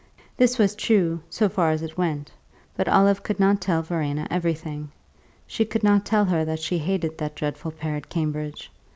This was true, so far as it went; but Olive could not tell Verena everything could not tell her that she hated that dreadful pair at Cambridge.